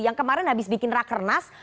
yang kemarin habis bikin rakernas